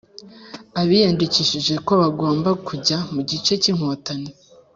abaiyandikishije ko bagomba kujya mu gice cy’Inkotanyi